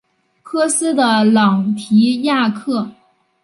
科斯的朗提亚克。